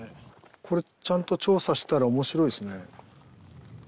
これちゃんと調査したら面白いですね。